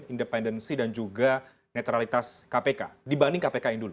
independensi dan juga netralitas kpk dibanding kpk yang dulu